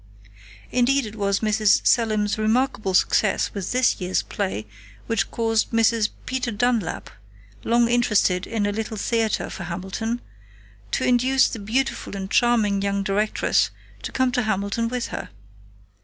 "Indeed it was Mrs. Selim's remarkable success with this year's play which caused Mrs. Peter Dunlap, long interested in a Little Theater for Hamilton, to induce the beautiful and charming young directress to come to Hamilton with her.